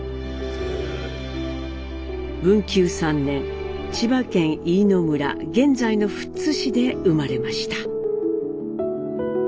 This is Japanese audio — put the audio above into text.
文久３年千葉県飯野村現在の富津市で生まれました。